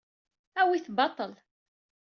Awey-t baṭel.